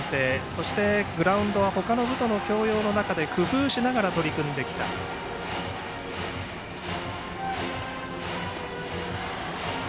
そしてグラウンドは他の部との共有の中で工夫しながら取り組んできたそうです。